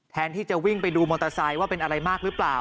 แทนที่จะวิ่งไปดูมอเตอร์ไซค์ว่าเป็นอะไรมากหรือเปล่า